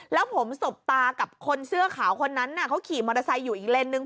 แล้วผมสบตากับคนเสื้อขาวคนนั้นเขาขี่มอเตอร์ไซค์อยู่อีกเลนสนึง